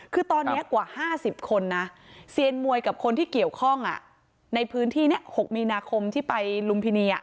คือตอนนี้กว่า๕๐คนนะเซียนมวยกับคนที่เกี่ยวข้องในพื้นที่นี้๖มีนาคมที่ไปลุมพินี